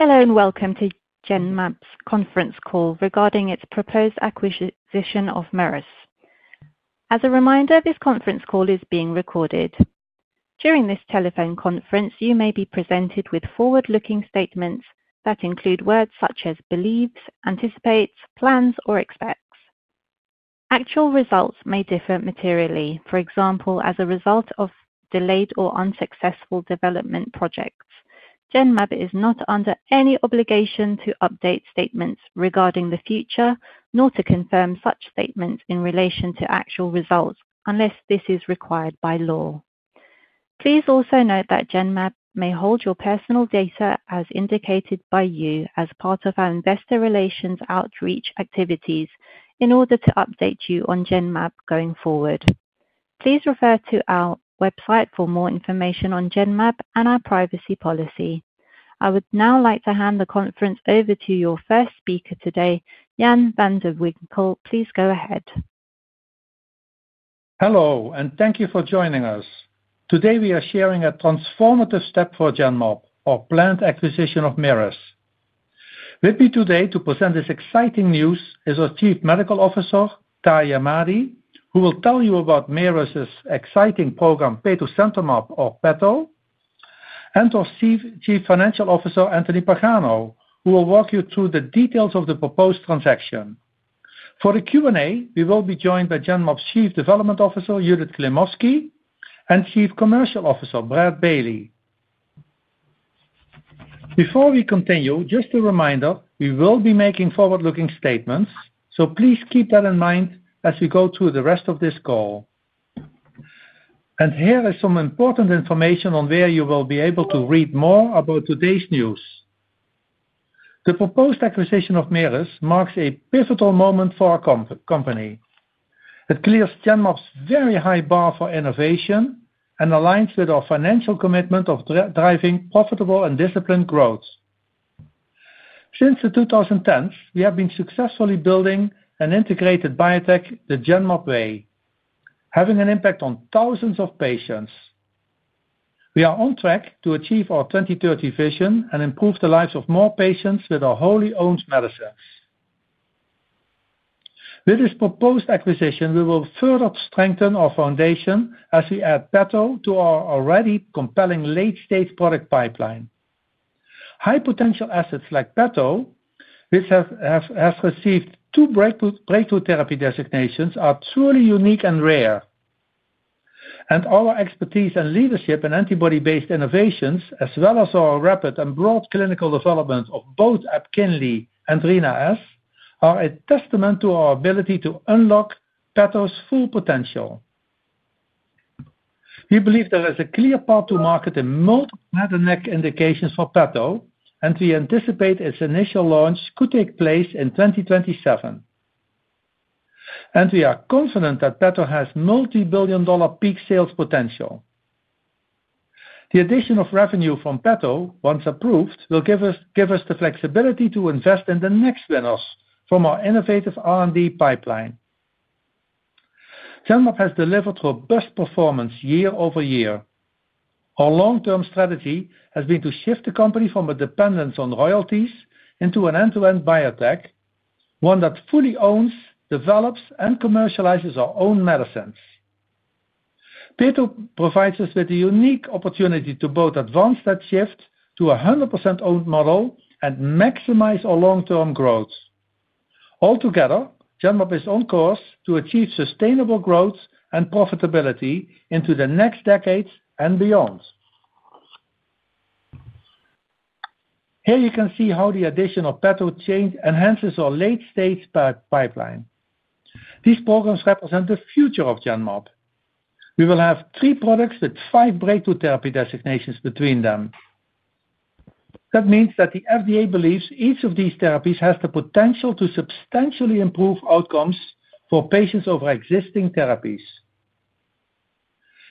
Hello and welcome to Genmab's conference call regarding its proposed acquisition of Merus. As a reminder, this conference call is being recorded. During this telephone conference you may be presented with forward-looking statements that include words such as believes, anticipates, plans, or expects. Actual results may differ materially, for example as a result of delayed or unsuccessful development projects. Genmab is not under any obligation to update statements regarding the future nor to confirm such statements in relation to actual results unless this is required by law. Please also note that Genmab may hold your personal data as indicated by you as part of our investor relations outreach activities in order to update you on Genmab going forward. Please refer to our corporate website for more information on Genmab and our privacy policy. I would now like to hand the conference over to your first speaker today, Jan van de Winkel. Please go ahead. Hello and thank you for joining us today. We are sharing a transformative step for Genmab, our planned acquisition of Merus N.V. With me today to present this exciting news is our Chief Medical Officer Ty Ahmadi, who will tell you about Merus's exciting program petosemtamab, or PETO, and our Chief Financial Officer Anthony Pagano, who will walk you through the details of the proposed transaction. For the Q&A, we will be joined by Genmab's Chief Development Officer Judith Klimovsky and Chief Commercial Officer Brad Bailey. Before we continue, just a reminder, we will be making forward-looking statements, so please keep that in mind as we go through the rest of this call, and here is some important information on where you will be able to read more about today's news. The proposed acquisition of Merus marks a pivotal moment for our company. It clears Genmab's very high bar for innovation and aligns with our financial commitment of driving profitable and disciplined growth. Since the 2010s, we have been successfully building an integrated biotech the Genmab way, having an impact on thousands of patients. We are on track to achieve our 2030 vision and improve the lives of more patients with our wholly owned medicine. With this proposed acquisition, we will further strengthen our foundation as we add PETO to our already compelling late-stage product pipeline. High potential assets like PETO, which has received two breakthrough therapy designations, are truly unique and rare, and our expertise and leadership in antibody-based innovations as well as our rapid and broad clinical development of both EPKINLY and Rina-S are a testament to our ability to unlock PETO's full potential. We believe there is a clear path to market in most major indications for PETO, and we anticipate its initial launch could take place in 2027, and we are confident that PETO has multibillion dollar peak sales potential. The addition of revenue from PETO once approved will give us the flexibility to invest in the next winners from our innovative R&D pipeline. Genmab has delivered robust performance year over year. Our long-term strategy has been to shift the company from a dependence on royalties into an end-to-end biotech, one that fully owns, develops, and commercializes our own medicines. PETO provides us with a unique opportunity to both advance that shift to a 100% owned model and maximize our long-term growth altogether. Genmab is on course to achieve sustainable growth and profitability into the next decades and beyond. Here you can see how the addition of PETO [chain] enhances our late stage pipeline. These programs represent the future of Genmab. We will have three products with five breakthrough therapy designations between them. That means that the FDA believes each of these therapies has the potential to substantially improve outcomes for patients over existing therapies.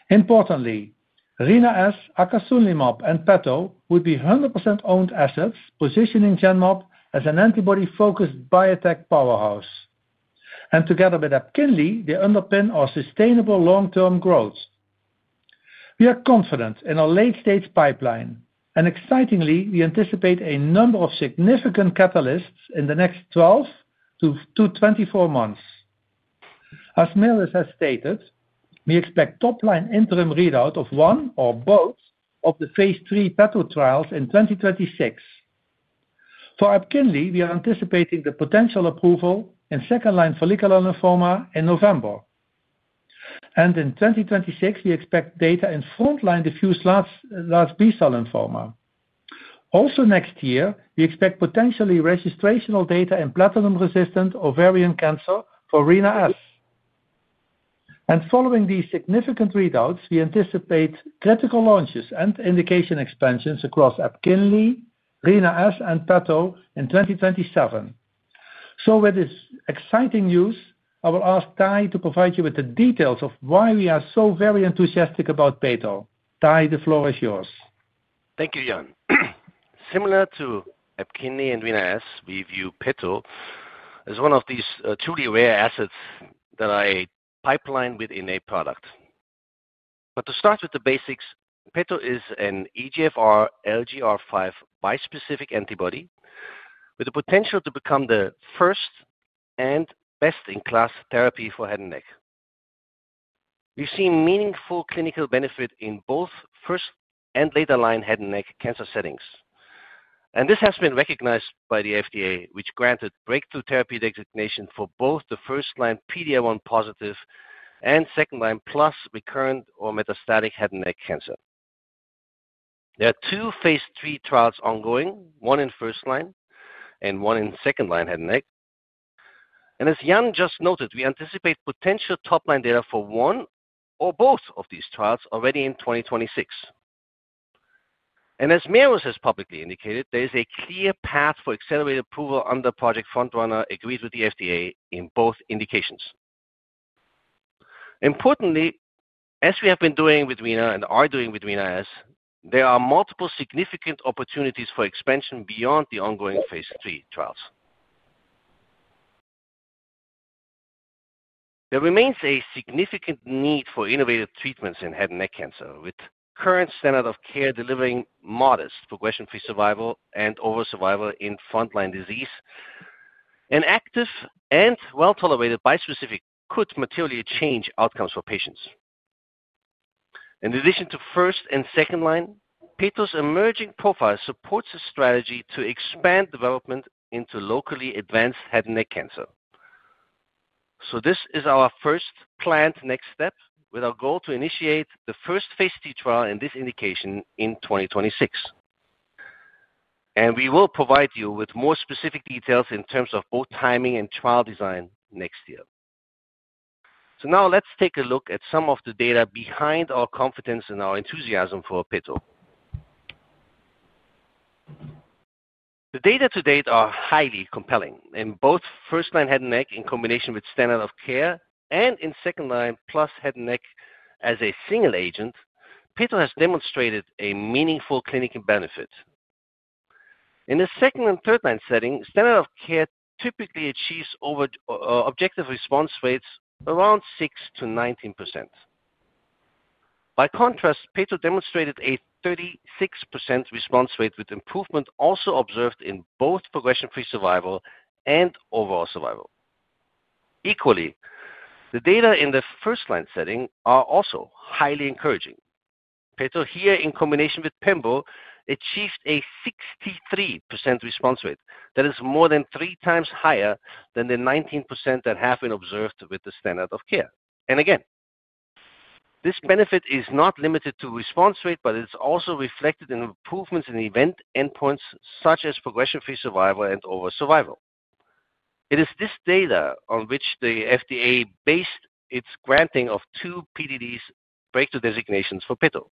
Importantly, Rina-S, acasunlimab and PETO would be 100% owned assets, positioning Genmab as an antibody focused biotech powerhouse and together with EPKINLY they underpin our sustainable long term growth. We are confident in our late stage pipeline and excitingly we anticipate a number of significant catalysts in the next 12-24 months. As Merus has stated, we expect top line interim readout of one or both of the phase III PETO trials in 2026 for EPKINLY. We are anticipating the potential approval in second line follicular lymphoma in November and in 2026 we expect data in frontline diffuse large B cell lymphoma. Also next year we expect potentially registrational data in platinum resistant ovarian cancer for Rina-S and following these significant readouts we anticipate critical launches and indication expansions across EPKINLY, Rina-S and PETO in 2027. With this exciting news I will ask Ty to provide you with the details of why we are so very enthusiastic about PETO. Ty, the floor is yours. Thank you Jan. Similar to EPKINLY and Rina-S, we view PETO as one of these truly rare assets in our pipeline with innate product. To start with the basics, PETO is an EGFR LGR5 bispecific antibody with the potential to become the first and best in class therapy for head and neck. We've seen meaningful clinical benefit in both first and later line head and neck cancer settings, and this has been recognized by the FDA, which granted breakthrough therapy designation for both the first line PD-L1 positive and second line plus recurrent or metastatic head and neck cancer. There are two phase III trials ongoing, one in first line and one in second line head and neck. As Jan just noted, we anticipate potential top line data for one or both of these trials already in 2026, and as Merus. has publicly indicated, there is a clear path for accelerated approval under Project FrontRunner agreed with the FDA in both indications. Importantly, as we have been doing with and are doing with Rina-S, there are multiple significant opportunities for expansion beyond the ongoing phase III trials. There remains a significant need for innovative treatments in head and neck cancer. With current standards of care delivering modest progression free survival and overall survival in frontline disease, an active and well tolerated bispecific could materially change outcomes for patients. In addition to first and second line, PETO's emerging profile supports a strategy to expand development into locally advanced head and neck cancer. This is our first planned next step with our goal to initiate the first phase III trial in this indication in 2026, and we will provide you with more specific details in terms of both timing and trial design next year. Now let's take a look at some of the data behind our confidence and our enthusiasm for PETO. The data to date are highly compelling in both first line head and neck in combination with standard of care and in second line plus head and neck as a single agent. PETO has demonstrated a meaningful clinical benefit. In the second and third line setting, standard of care typically achieves objective response rates around 6%-19%. By contrast, PETO demonstrated a 36% response rate with improvement also observed in both progression free survival and overall survival. Equally, the data in the first line setting are also highly encouraging. PETO here in combination with [PEMBO] achieved a 63% response rate that is more than three times higher than the 19% that have been observed with the standard of care. This benefit is not limited to response rate, but it's also reflected in improvements in endpoints such as progression free survival and overall survival. It is this data on which the FDA based its granting of two FDA breakthrough therapy designations for PETO.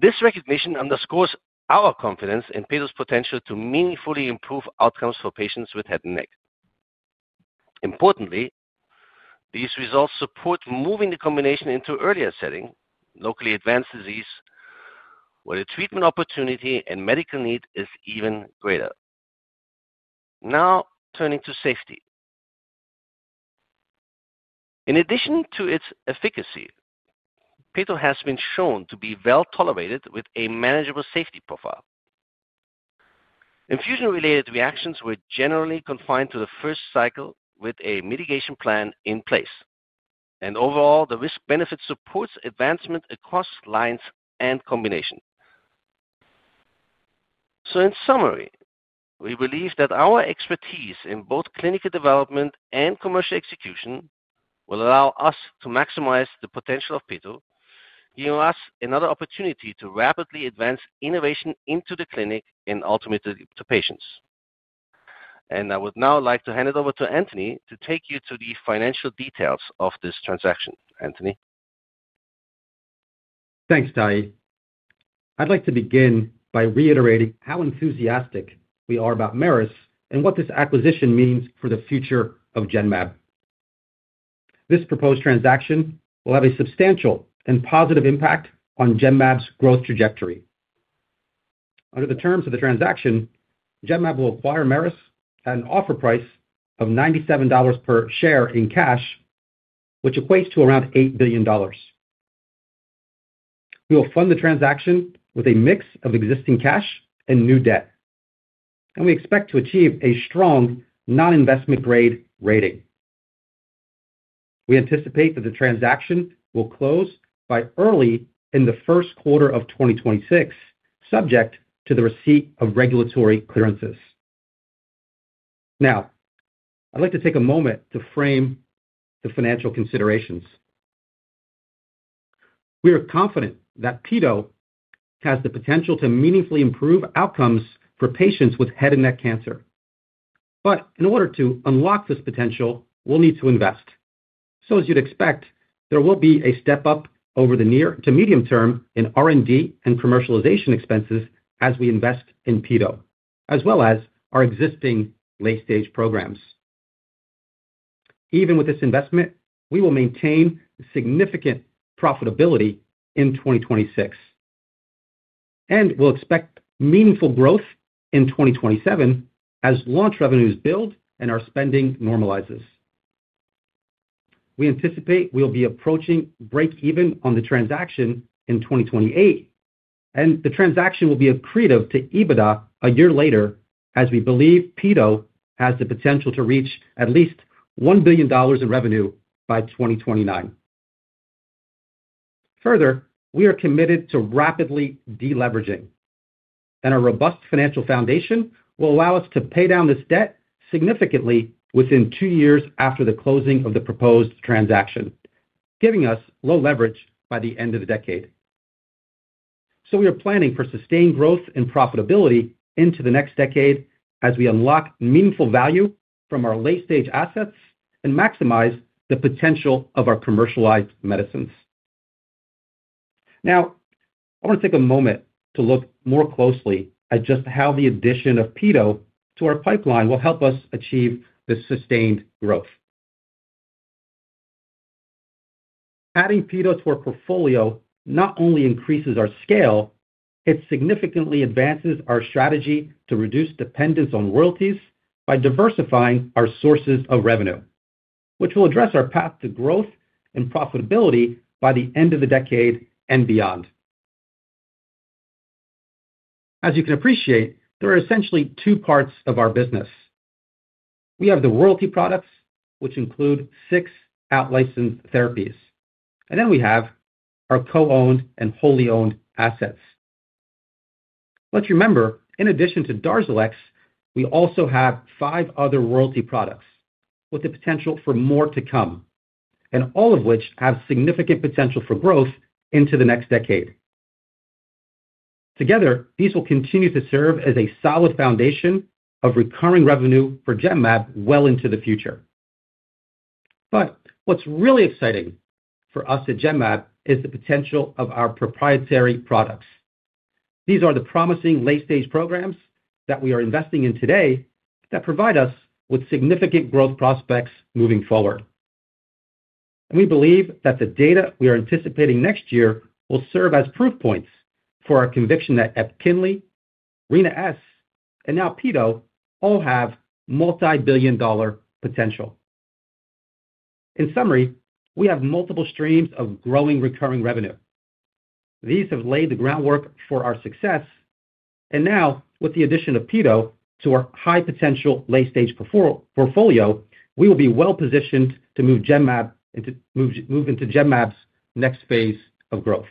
This recognition underscores our confidence in PETO's potential to meaningfully improve outcomes for patients with head and neck cancer. Importantly, these results support moving the combination into earlier setting, locally advanced disease, where the treatment opportunity and medical need is even greater. Now turning to safety, in addition to its efficacy, PETO has been shown to be well tolerated with a manageable safety profile. Infusion related reactions were generally confined to the first cycle with a mitigation plan in place, and overall the risk benefit supports advancement across lines and combination. In summary, we believe that our expertise in both clinical development and commercial execution will allow us to maximize the potential of PETO, giving us another opportunity to rapidly advance innovation into the clinic and ultimately to patients. I would now like to hand it over to Anthony to take you to the financial details of this transaction. Anthony. Thanks, Ty. I'd like to begin by reiterating how enthusiastic we are about Merus and what this acquisition means for the future of Genmab. This proposed transaction will have a substantial and positive impact on Genmab's growth trajectory. Under the terms of the transaction, Genmab will acquire Merus at an offer price of $97 per share in cash, which equates to around $8 billion. We will fund the transaction with a mix of existing cash and new debt, and we expect to achieve a strong non-investment grade rating. We anticipate that the transaction will close by early in the first quarter of 2026, subject to the receipt of regulatory clearances. Now, I'd like to take a moment to frame the financial considerations. We are confident that PETO has the potential to meaningfully improve outcomes for patients with head and neck cancer, but in order to unlock this potential, we'll need to invest. As you'd expect, there will be a step up over the near to medium term in R&D and commercialization expenses as we invest in PETO as well as our existing late-stage programs. Even with this investment, we will maintain significant profitability in 2026, and we'll expect meaningful growth in 2027 as launch revenues build and our spending normalizes. We anticipate we'll be approaching break even on the transaction in 2028, and the transaction will be accretive to EBITDA a year later as we believe PETO has the potential to reach at least $1 billion in revenue by 2029. Further, we are committed to rapidly deleveraging, and a robust financial foundation will allow us to pay down this debt significantly within two years after the closing of the proposed transaction, giving us low leverage by the end of the decade. We are planning for sustained growth and profitability into the next decade as we unlock meaningful value from our late-stage assets and maximize the potential of our commercialized medicines. Now, I want to take a moment to look more closely at just how the addition of PETO to our pipeline will help us achieve the sustained growth. Adding PETO to our portfolio not only increases our scale, it significantly advances our strategy to reduce dependence on royalties by diversifying our sources of revenue, which will address our path to growth and profitability by the end of the decade and beyond. As you can appreciate, there are essentially two parts of our business. We have the royalty products which include six out-licensed therapies and then we have our co-owned and wholly owned assets. Let's remember, in addition to DARZALEX we also have five other royalty products with the potential for more to come, all of which have significant potential for growth into the next decade. Together these will continue to serve as a solid foundation of recurring revenue for Genmab well into the future. What is really exciting for us at Genmab is the potential of our proprietary products. These are the promising late-stage programs that we are investing in today that provide us with significant growth prospects moving forward. We believe that the data we are anticipating next year will serve as proof points for our conviction that EPKINLY, Rina-S, and now PETO all have multi-billion dollar potential. In summary, we have multiple streams of growing recurring revenue. These have laid the groundwork for our success, and now with the addition of PETO to our high-potential late-stage portfolio, we will be well positioned to move Genmab into Genmab's next phase of growth.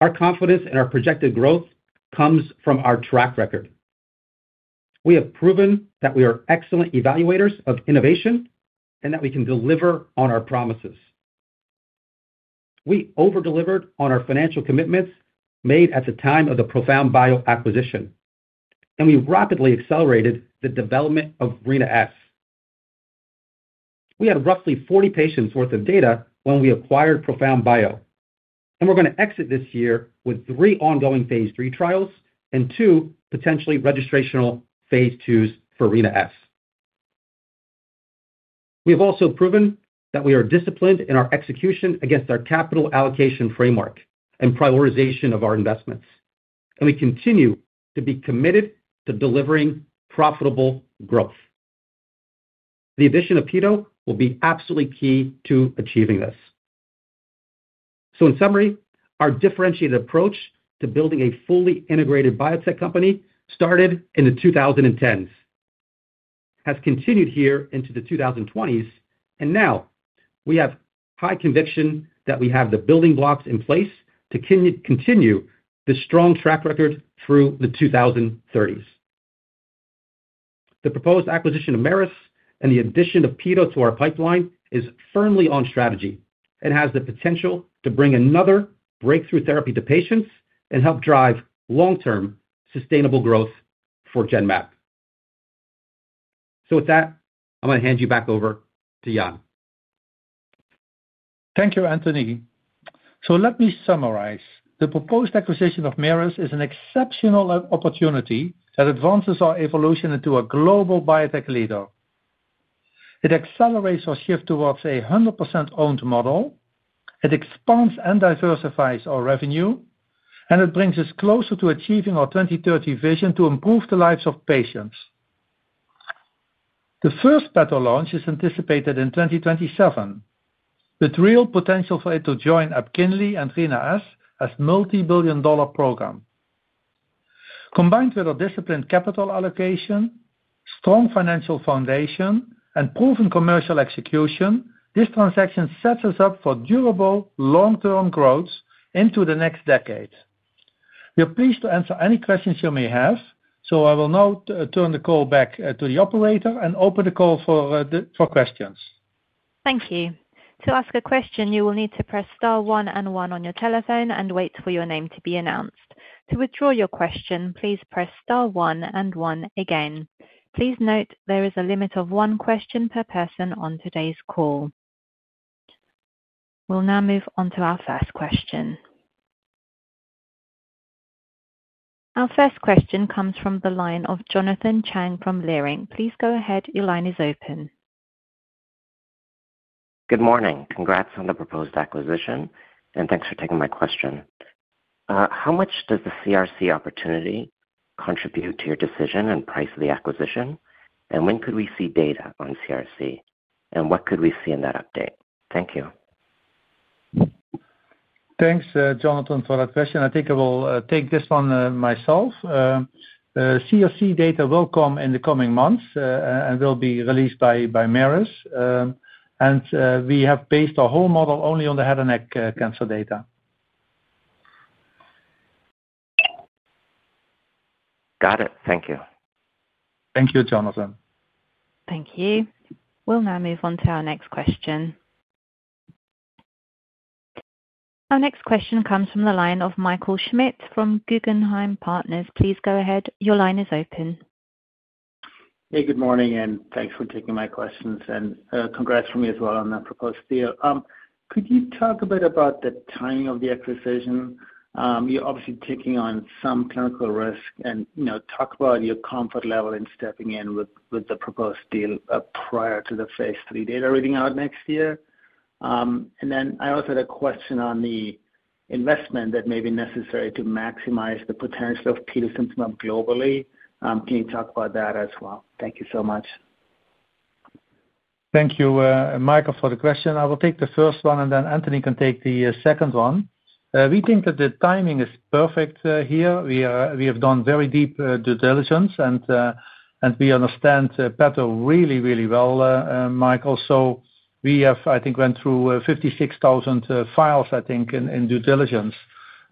Our confidence in our projected growth comes from our track record. We have proven that we are excellent evaluators of innovation and that we can deliver on our promises. We over-delivered on our financial commitments made at the time of the ProfoundBio acquisition, and we rapidly accelerated the development of Rina-S. We had roughly 40 patients' worth of data when we acquired ProfoundBio, and we are going to exit this year with three ongoing phase III trials and two potentially registrational phase IIs for Rina-S. We have also proven that we are disciplined in our execution against our capital allocation framework and prioritization of our investments, and we continue to be committed to delivering profitable growth. The addition of PETO will be absolutely key to achieving this. In summary, our differentiated approach to building a fully integrated biotech company started in the 2010s, has continued here into the 2020s, and now we have high conviction that we have the building blocks in place to continue the strong track record through the 2030s. The proposed acquisition of Merus and the addition of PETO to our pipeline is firmly on strategy and has the potential to bring another breakthrough therapy to patients and help drive long-term sustainable growth for Genmab. With that, I'm going to hand you back over to Jan. Thank you, Anthony. Let me summarize. The proposed acquisition of Merus is an exceptional opportunity that advances our evolution into a global biotech leader. It accelerates our shift towards a 100% owned model, expands and diversifies our revenue, and brings us closer to achieving our 2030 vision to improve the lives of patients. The first PETO launch is anticipated in 2027 with real potential for it to join EPKINLY and Rina-S as multi-billion dollar programs. Combined with disciplined capital allocation, a strong financial foundation, and proven commercial execution, this transaction sets us up for durable long-term growth into the next decade. We are pleased to answer any questions you may have. I will now turn the call back to the operator and open the call for questions. Thank you. To ask a question, you will need to press star one and one on your telephone and wait for your name to be announced. To withdraw your question, please press star one and one again. Please note there is a limit of one question per person on today's call. We'll now move on to our first question. Our first question comes from the line of Jonathan Chang from Leerink. Please go ahead. Your line is open. Good morning. Congrats on the proposed acquisition and thanks for taking my question. How much does the CRC opportunity contribute to your decision and price of the acquisition? When could we see data on CRC and what could we see in that update? Thank you. Thanks Jonathan for that question. I think I will take this one myself. CRC data will come in the coming months and will be released by Merus, and we have based our whole model only on the head and neck cancer data. Got it. Thank you. Thank you, Jonathan. Thank you. We'll now move on to our next question. Our next question comes from the line of Michael Schmidt from Guggenheim Partners. Please go ahead. Your line is open. Hey, good morning and thanks for taking my questions and congrats as well on that proposed [deal]. Could you talk a bit about the timing of the acquisition? You're obviously taking on some clinical risk and talk about your comfort level in stepping in with the proposed deal prior to the phase III data reading out next year. I also had a question on the investment that may be necessary to maximize the potential of petosemtamab globally. Can you talk about that as well? Thank you so much. Thank you, Michael, for the question. I will take the first one and then Anthony can take the second one. We think that the timing is perfect here. We have done very deep due diligence and we understand PETO really, really well, Michael. We went through 56,000 files in due diligence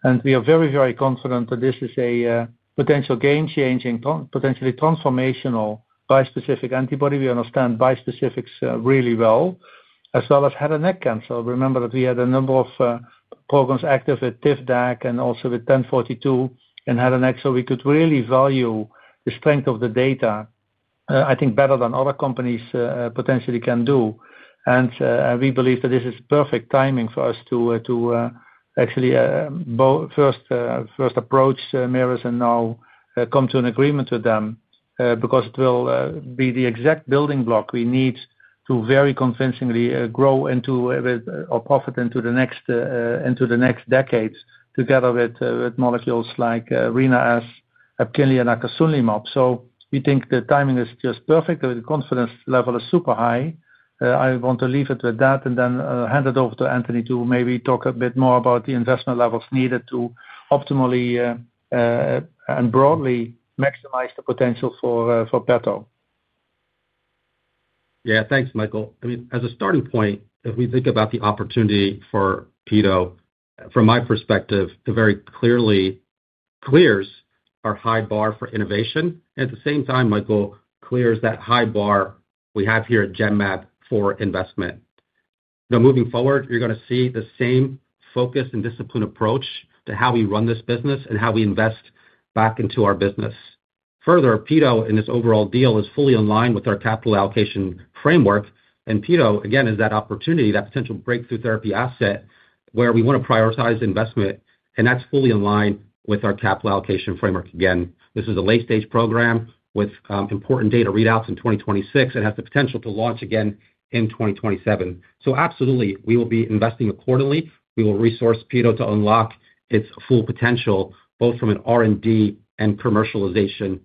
and we are very, very confident that this is a potential game changing, potentially transformational bispecific antibody. We understand bispecifics really well as well as head and neck cancer. Remember that we had a number of programs active at TIVDAK and also with 1042 and head and neck. We could really value the strength of the data better than other companies potentially can do. We believe that this is perfect timing for us to actually first approach Merus. And now come to an agreement with them because it will be the exact building block we need to very convincingly grow into or profit into the next decades together with molecules like Rina-S, EPKINLY, and acasunlimab. We think the timing is just perfect and the confidence level is super high. I want to leave it with that and then hand it over to Anthony to maybe talk a bit more about the investment levels needed to optimally and broadly maximize the potential for PETO. Yeah, thanks Michael. As a starting point, if we think about the opportunity for PETO from my perspective, it very clearly clears our high bar for innovation. At the same time, Michael, it clears that high bar we have here at Genmab for investment. Now moving forward, you're going to see the same focus and disciplined approach to how we run this business and how we invest back into our business. Further, PETO in its overall deal is fully in line with our capital allocation framework. PETO, again, is that opportunity, that potential breakthrough therapy asset where we want to prioritize investment and that's fully in line with our capital allocation framework. This is a late stage program with important data readouts in 2026 and has the potential to launch again in 2027. Absolutely, we will be investing accordingly. We will resource PETO to unlock its full potential both from an R&D and commercialization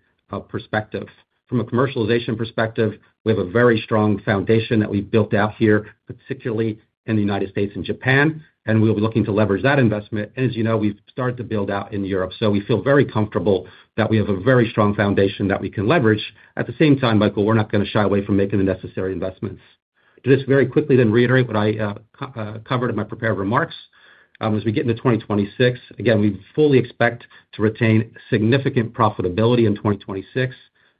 perspective. From a commercialization perspective, we have a very strong foundation that we built out here, particularly in the United States and Japan, and we'll be looking to leverage that investment. As you know, we've started to build out in Europe, so we feel very comfortable that we have a very strong foundation that we can leverage. At the same time, Michael, we're not going to shy away from making the necessary investments. Just very quickly, I'll reiterate what I covered in my prepared remarks as we get into 2026. We fully expect to retain significant profitability in 2026,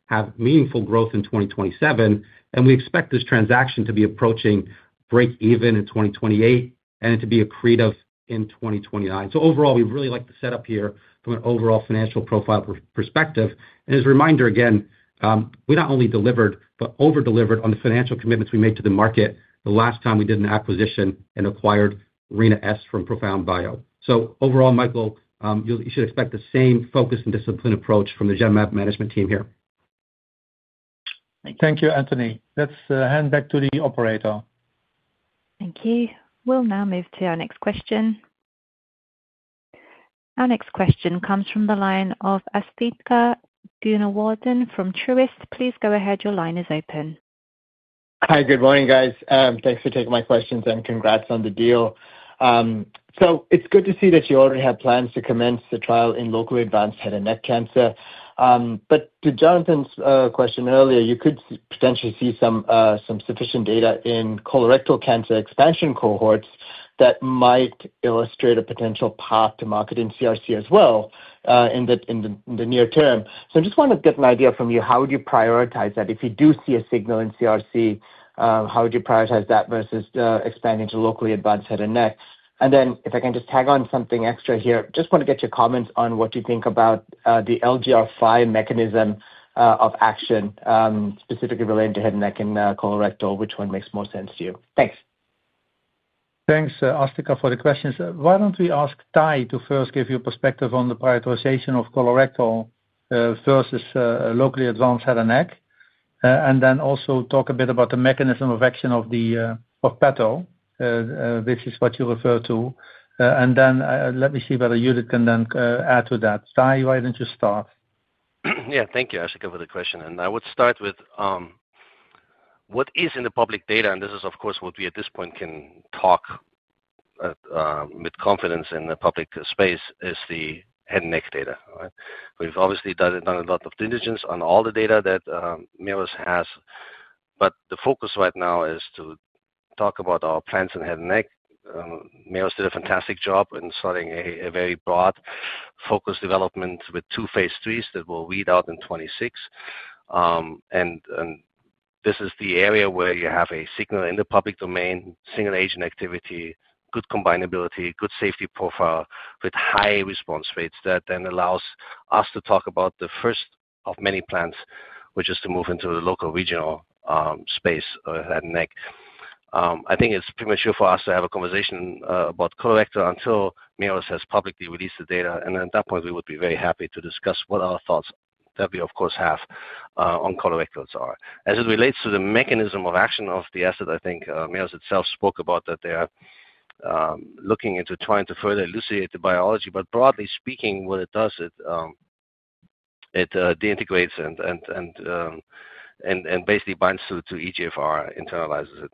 have meaningful growth in 2027, and we expect this transaction to be approaching break even in 2028 and to be accretive in 2029. Overall, we really like the setup here from an overall financial profile perspective. As a reminder, we not only delivered but over delivered on the financial commitments we made to the market the last time we did an acquisition and acquired Rina-S from ProfoundBio. Overall, Michael, you should expect the same focus and disciplined approach from the Genmab management team here. Thank you, Anthony. Let's hand back to the operator. Thank you. We'll now move to our next question. Our next question comes from the line of Asthika Goonewardene from Truist. Please go ahead. Your line is open. Hi, good morning guys. Thanks for taking my questions and congrats on the deal. It's good to see that you are already have plans to commence the trial in locally advanced head and neck cancer, to Jonathan's question earlier, you could potentially see some sufficient data in colorectal cancer expansion cohorts that might illustrate a potential path to market in CRC as well in the near term. I just want to get an idea from you. How would you prioritize that if you do see a signal in CRC, how would you prioritize that versus expanding to locally advanced head and neck? If I can just tag on something extra here, just want to get your comments on what you think about the LGR5 mechanism of action specifically related to head and neck and colorectal. Which one makes more sense to you? Thanks. Thanks, Asthika, for the question. Why don't we ask Ty to first give you a perspective on the prioritization of colorectal versus locally advanced head and neck, and then also talk a bit about the mechanism of action, which is what you refer to, and then let me see whether Judith can then add to that. Ty, why don't you start? Yeah, thank you Asthika for the question. I would start with what is in the public data. This is of course what we at this point can talk with confidence in the public space, is the head and neck data. We've obviously done a lot of diligence on all the data that Merus has, but the focus right now is to talk about our plans in head and neck. Merus did a fantastic job in starting a very broad focus development with two phase III trials that will read out in 2026. This is the area where you have a signal in the public domain, single agent activity, good combinability, good safety profile with high response rates. That then allows us to talk about the first of many plans, which is to move into the locoregional space, head and neck. I think it's premature for us to have a conversation about colorectal until Merus has publicly released the data. At that point, we would be very happy to discuss what our thoughts that we of course have on colorectal are as it relates to the mechanism of action of the asset. I think Merus itself spoke about that. They are looking into trying to further elucidate the biology. Broadly speaking, what it does is it integrates and basically binds to EGFR, internalizes it.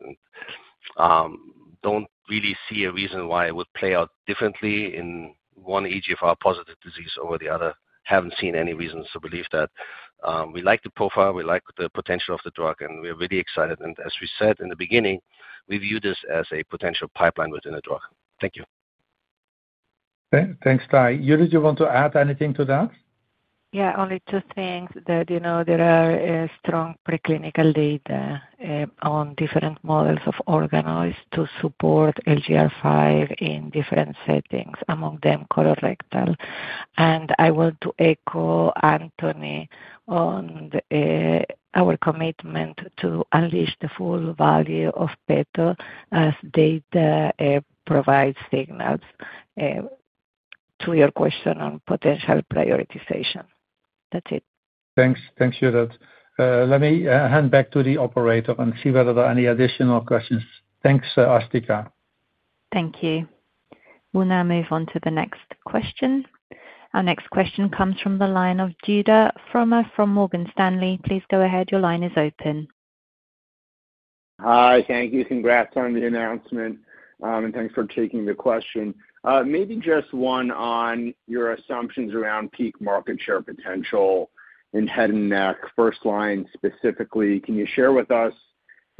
Don't really see a reason why it would play out differently in one EGFR positive disease over the other. Haven't seen any reasons to believe that. We like the profile, we like the potential of the drug, and we are really excited. As we said in the beginning, we view this as a potential pipeline within a drug. Thank you. Thanks, Ty. Judith, do you want to add anything to that? Yeah, only two things that you know, there are strong preclinical data on different models of organoids to support LGR5 in different settings, among them colorectal. I want to echo Anthony on our commitment to unleash the full value of PETO as data provide signals to your question on potential prioritization. That's it. Thanks. Thanks, Judith. Let me hand back to the operator and see whether there are any additional questions. Thanks, Asthika. Thank you. We'll now move on to the next question. Our next question comes from the line of Judah Frommer from Morgan Stanley. Please go ahead. Your line is open. Hi, thank you. Congrats on the announcement and thanks for taking the question. Maybe just one on your assumptions around peak market share potential and head and neck. First line specifically, can you share with us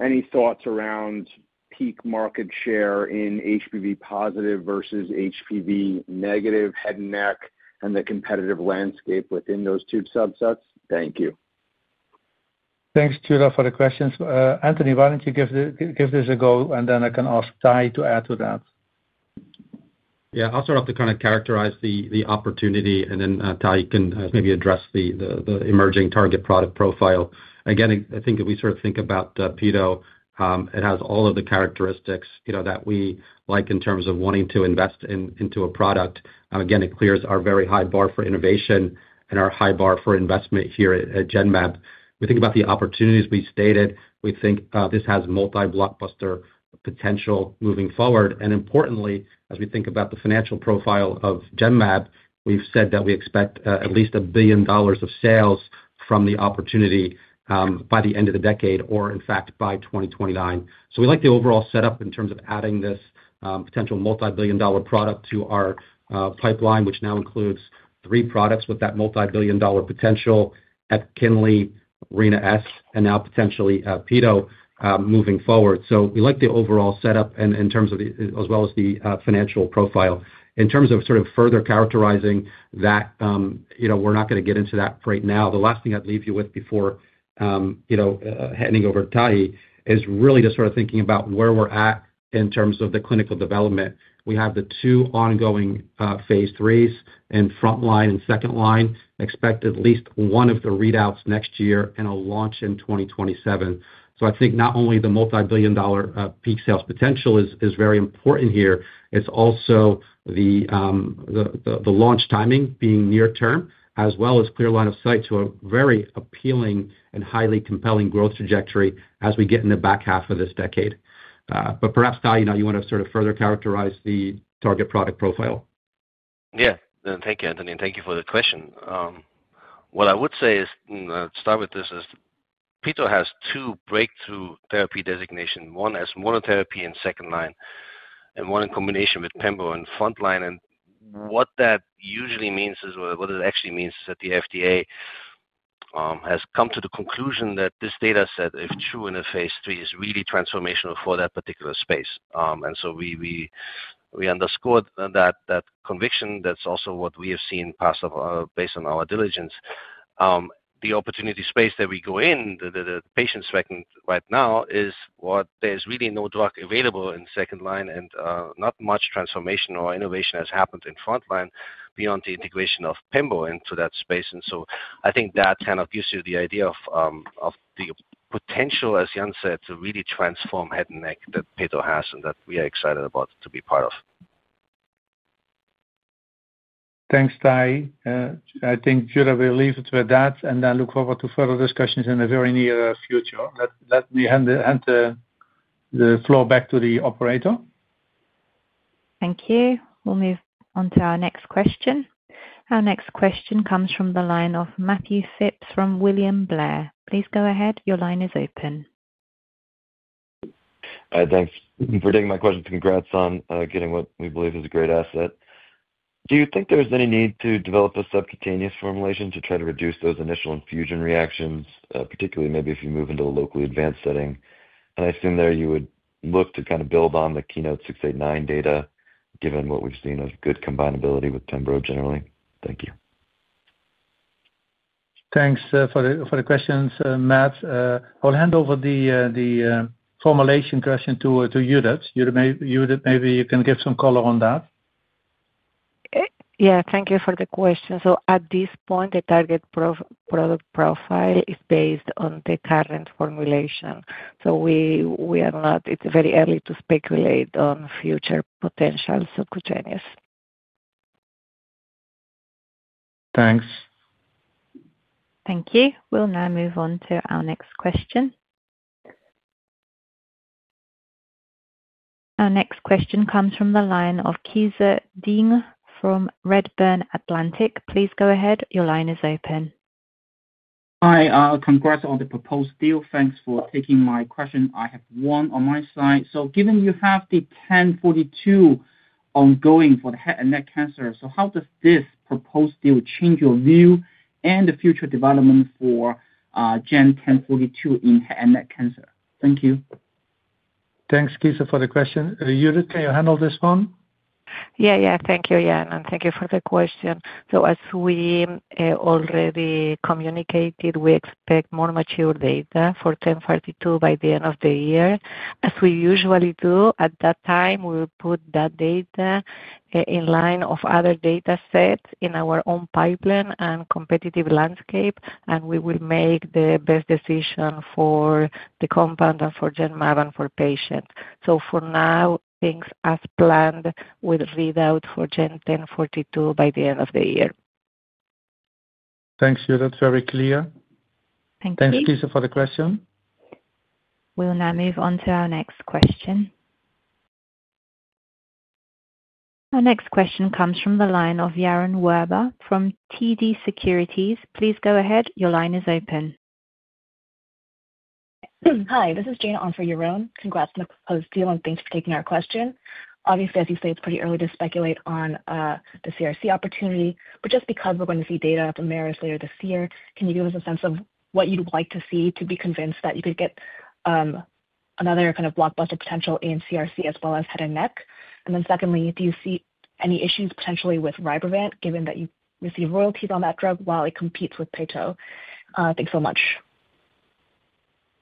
any thoughts around peak market share in HPV positive versus HPV negative head and neck, and the competitive landscape within those two subsets? Thank you. Thanks, Judah, for the questions. Anthony, why don't you give this a go and then I can ask Ty to add to that? Yeah, I'll start off to kind of characterize the opportunity and then Ty can maybe address the emerging target product profile. Again, I think if we sort of think about PETO, it has all of the characteristics that we like in terms of wanting to invest into a product. It clears our very high bar for innovation and our high bar for investment. Here at Genmab we think about the opportunities we stated. We think this has multi-blockbuster potential moving forward. Importantly, as we think about the financial profile of Genmab, we've said that we expect at least $1 billion of sales from the opportunity by the end of the decade or in fact by 2029. We like the overall setup in terms of adding this potential multibillion dollar product to our pipeline, which now includes three products with that multibillion dollar potential: EPKINLY, Rina-S, and now potentially PETO moving forward. We like the overall setup as well as the financial profile in terms of sort of further characterizing that. We're not going to get into that right now. The last thing I'd leave you with before handing over to Ty is really just sort of thinking about where we're at in terms of the clinical development. We have the two ongoing phase trials in frontline and second line. Expect at least one of the readouts next year and a launch in 2027. I think not only the multibillion dollar peak sales potential is very important here, it's also the launch timing being near term as well as clear line of sight to a very, very appealing and highly compelling growth trajectory as we get in the back half of this decade. Perhaps Ty, you want to sort of further characterize the target product profile. Yeah. Thank you, Anthony, and thank you for the question. What I would say is start with this: PETO has two breakthrough therapy designations, one as monotherapy in second line and one in combination with PEMBRO in frontline. What that usually means is, what it actually means is that the FDA has come to the conclusion that this data set, if true in a phase III, is really transformational for that particular space. We underscored that conviction. That's also what we have seen pass up based on our diligence. The opportunity space that we go in the patient right now is where there's really no drug available in second line and not much transformation or innovation has happened in frontline beyond the integration of PEMBRO into that space. I think that kind of gives you the idea of the potential, as Jan said, to really transform head and neck cancer that PETO has and that we are excited about to be part of. Thanks, Ty. I think Judah will leave it with that, and I look forward to further discussions in the very near future. Let me hand the floor back to the operator. Thank you. Move on to our next question. Our next question comes from the line of Matthew Phipps from William Blair. Please go ahead. Your line is open. Thanks for taking my questions. Congrats on getting what we believe is a great asset. Do you think there's any need to develop a subcutaneous formulation to try to reduce those initial infusion reactions, particularly maybe if you move into a locally advanced setting, and I assume there you would look to kind of build on the KEYNOTE-689 data given what we've seen of good combinability with PEMBRO generally. Thank you. Thanks for the questions, Matt. I'll hand over the formulation question to Judith. Maybe you can give some color on that. Thank you for the question. At this point, the target product profile is based on the current formulation, so we are not. It's very early to speculate future potential subcutaneous. Thanks. Thank you. We'll now move on to our next question. Our next question comes from the line of Qize Ding from Redburn Atlantic. Please go ahead. Your line is open. Hi. Congrats on the proposed deal. Thanks for taking my question. I have no one on my side. Given you have the 1042 ongoing. For the head and neck cancer. How does this proposed deal change your? View and the future development for GEN1042 in head and neck cancer? Thank you. Thanks, Qize, for the question. Judith, can you handle this one? Thank you Jan and thank you for the question. As we already communicated, we expect more mature data for 1042 by the end of the year. At that time, we will put that data in line with other data sets in our own pipeline and competitive landscape, and we will make the best decision for the compound and for Genmab and for patients. For now, things as planned will read out for GEN1042 by the end of the year. Thank you. That's very clear. Thank you. Thanks, Qize, for the question. We will now move on to our next question. Our next question comes from the line of Yaron Werber from TD Securities. Please go ahead. Your line is open. Hi, this is Jane on for Yaron. Congrats on the proposed deal and thanks for taking our question. Obviously, as you say, it's pretty early to speculate on the CRC opportunity, but just because we're going to see data from PETO later this year, can you give us a sense of what you'd like to see to be convinced that you could get another kind of blockbuster potential in CRC as well as head and neck? Secondly, do you see any issues potentially with RYBREVANT given that you receive royalties on that drug while it competes with PETO? Thanks so much.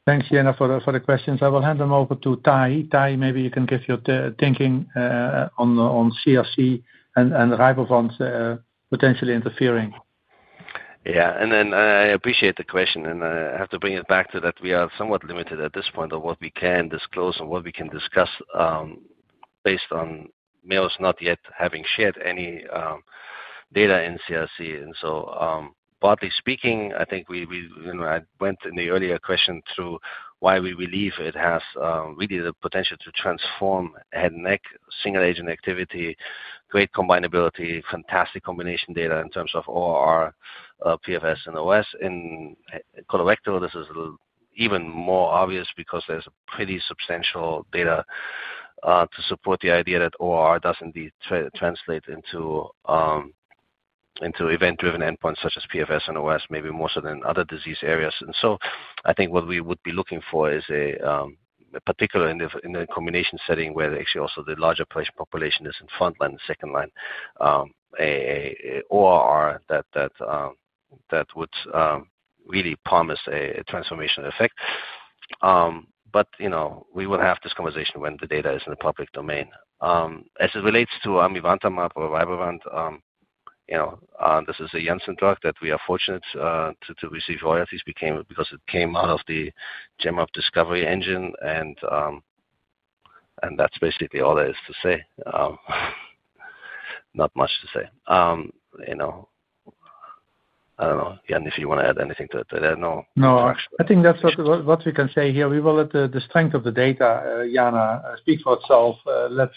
Thanks, Jane, for the questions. I will hand them over to Ty. Ty, maybe you can give your thinking on CRC and Rina-S potentially interfering. Yeah. I appreciate the question and I have to bring it back to that. We are somewhat limited at this point in what we can disclose and what we can discuss based on Merus not yet having shared any data in CRC. Broadly speaking, I think we went in the earlier question through why we believe it has really the potential to transform head and neck single agent activity. Great combinability, fantastic combination data in terms of ORR, PFS, and OS. In colorectal, this is even more obvious because there's pretty substantial data to support the idea that ORR doesn't translate into event-driven endpoints such as PFS and OS, maybe more so than other disease areas. I think what we would be looking for is, particularly in the combination setting where actually also the larger patient population is in frontline, second line, or that would really promise a transformational effect. We will have this conversation when the data is in the public domain as it relates to amivantamab or RYBREVANT. This is a Janssen drug that we are fortunate to receive royalties for because it came out of the Genmab discovery engine. That's basically all there is to say. Not much to say. I don't know Jan, if you want to add anything to that. No, I think that's what we can say here. We will let the strength of the data speak for itself. Let's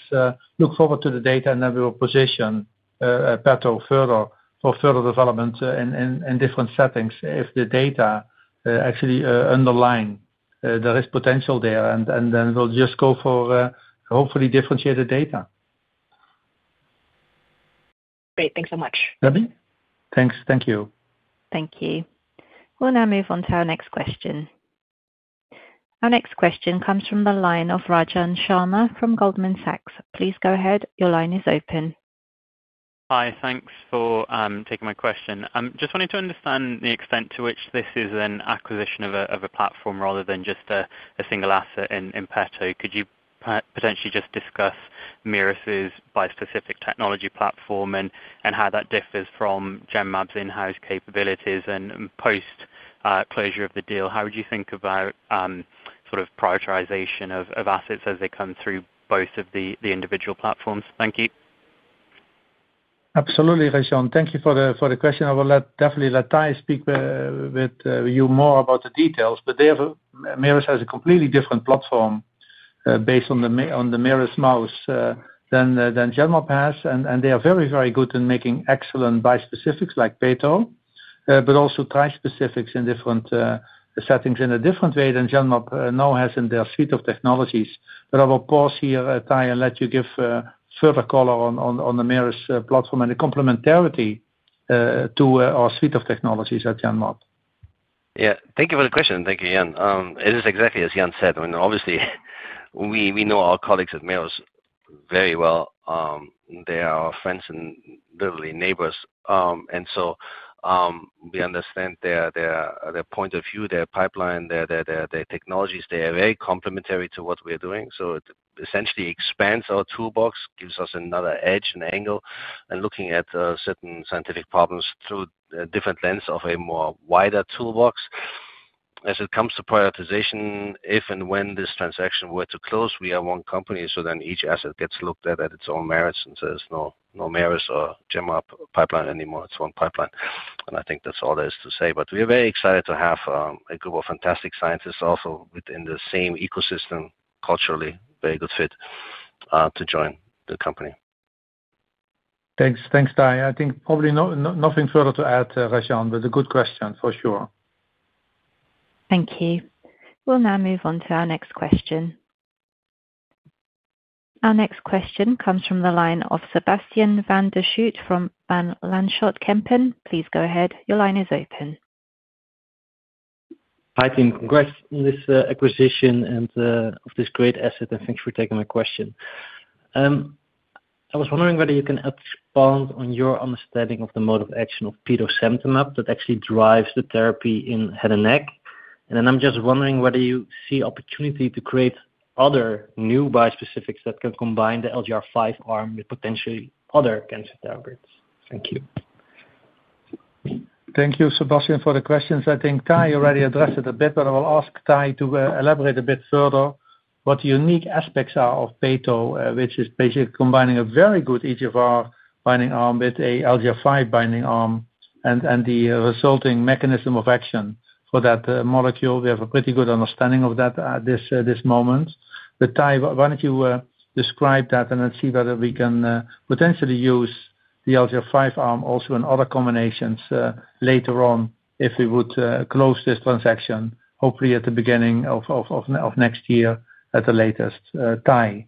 look forward to the data and then we will position PETO further for further development in different settings if the data actually underlying the risk potential there, and then we'll just go for hopefully differentiated data. Great. Thanks so much. [Debbie]. Thanks. Thank you. Thank you. We'll now move on to our next question. Our next question comes from the line of Rajan Sharma from Goldman Sachs. Please go ahead. Your line is open. Hi, thanks for taking my question. I just wanted to understand the extent to which this is an acquisition of a platform rather than just a single asset in PETO. Could you potentially just discuss Merus's bispecific antibody technology platform and how that differs from Genmab's in-house capabilities, and post closure of the deal, how would you think about sort of prioritization of assets as they come through both of the individual platforms? Thank you. Absolutely. Rajan, thank you for the question. I will definitely let Ty speak with you more about the details. Merus has a completely different platform based on the Merus mouse than Genmab has. They are very, very good in making excellent bispecifics like PETO, but also trispecifics in different settings in a different way than Genmab now has in their suite of technologies. I will pause here, Ty, and let you give further color on the Merus platform and its complementarity to our suite of technologies at Genmab. Yeah, thank you for the question. Thank you, Jan. It is exactly as Jan said. Obviously we know our colleagues at Merus very well. They are friends and literally neighbors, and we understand their point of view, their pipeline, their technologies. They are very complementary to what we are doing. It essentially expands our toolbox, gives us another edge and angle in looking at certain scientific problems through a different lens of a more wide toolbox as it comes to prioritization. If and when this transaction were to close, we are one company. Each asset gets looked at on its own merits and there are no Merus or Genmab pipelines anymore. It's one pipeline. I think that's all there is to say. We are very excited to have a group of fantastic scientists also within the same ecosystem, culturally a very good fit to join the company. Thanks. Thanks, Ty. I think probably nothing further to add, Rajan, but a good question for sure. Thank you. We'll now move on to our next question. Our next question comes from the line of Sebastiaan van der Schoot from Van Lanschot Kempen. Please go ahead, your line is open. Hi team, congrats on this acquisition of this great asset, and thanks for taking my question. I was wondering whether you can expand on your understanding of the mode of action of petosemtamab that actually drives the therapy in head and neck. I'm just wondering whether you see opportunity to create other new bispecifics that can combine the LGR5 arm with potentially other cancer targets. Thank you. Thank you, Sebastiaan, for the questions. I think Ty already addressed it a bit, but I will ask Ty to elaborate a bit further what unique aspects are of PETO, which is basically combining a very good EGFR binding arm with an LGR5 binding arm and the resulting mechanism of action for that molecule. We have a pretty good understanding of that at this moment. Ty, why don't you describe that and let's see whether we can potentially use the LGR5 arm also in other combinations later on if we would close this transaction, hopefully at the beginning of next year at the latest time.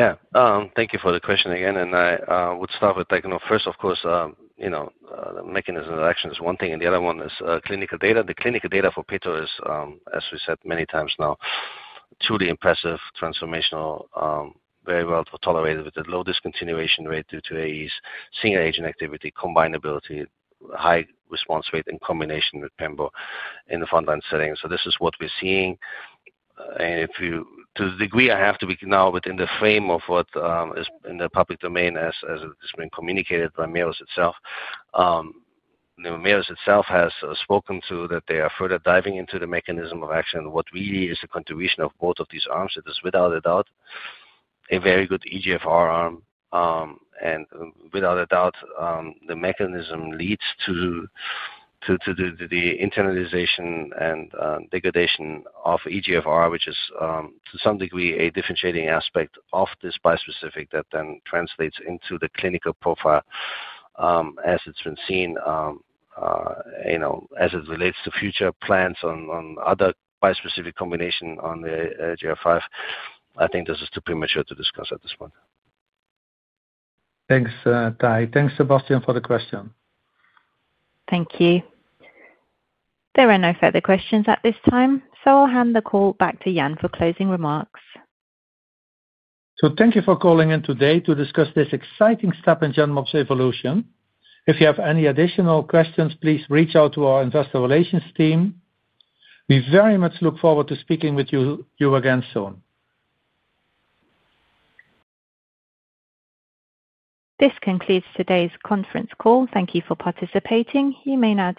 Thank you for the question again. I would start with, first, of course, mechanism of action is one thing and the other one is clinical data. The clinical data for PETO is, as we said many times now, truly impressive. Transformational, very well tolerated with the low discontinuation rate due to AEs, single agent activity, combinability, high response rate in combination with PEMBRO in the front line setting. This is what we're seeing to the degree I have to be now within the frame of what is in the public domain as it's been communicated by Merus itself. Merus itself has spoken to that they are further diving into the mechanism of action. What really is the contribution of both of these arms. It is without a doubt a very good EGFR arm. Without a doubt, the mechanism leads to the internalization and degradation of EGFR, which is to some degree a differentiating aspect of this bispecific that then translates into the clinical profile as it's been seen. As it relates to future plans on other bispecific combination on the LGR5, I think this is too premature to discuss at this point. Thanks, Ty. Thanks, Sebastiaan, for the question. Thank you. There are no further questions at this time, so I'll hand the call back to Jan for closing remarks. Thank you for calling in today to discuss this exciting step in Genmab's evolution. If you have any additional questions, please reach out to our investor relations team. We very much look forward to speaking with you again soon. This concludes today's conference call. Thank you for participating. You may now disconnect.